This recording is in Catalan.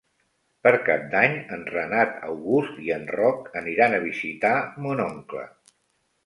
Per Cap d'Any en Renat August i en Roc aniran a visitar mon oncle.